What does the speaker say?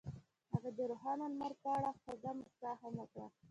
هغې د روښانه لمر په اړه خوږه موسکا هم وکړه.